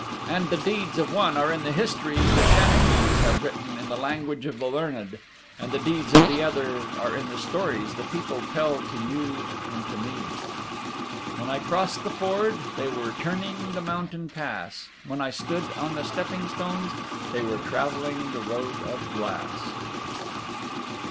And the deeds of one are in the histories the shanachies have written in the language of the learned, and the deeds of the other are in the stories the people tell to you and to me. When I crossed the Ford They were turning the Mountain Pass; When I stood on the Stepping stones They were travelling the Road of Glass.